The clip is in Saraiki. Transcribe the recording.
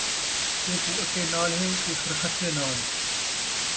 تیکوں اٹے نال ہے کہ خرخثے نال